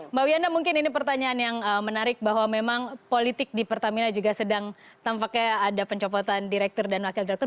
mbak wiyana mungkin ini pertanyaan yang menarik bahwa memang politik di pertamina juga sedang tampaknya ada pencopotan direktur dan wakil direktur